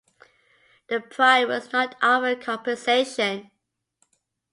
The Pride was not offered compensation.